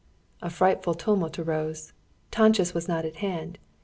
A frightful tumult arose. Táncsis was not at hand.